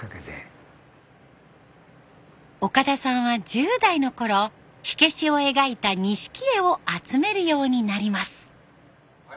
岡田さんは１０代のころ火消しを描いた錦絵を集めるようになります。